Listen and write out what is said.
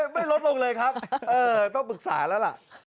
ไม่ลดลงเลยครับต้องปรึกษาแล้วล่ะ